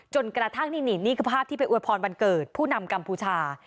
จนกระทั่งนี่นี่คือภาพที่ไปอวยพรวันเกิดผู้นำกัมพูชา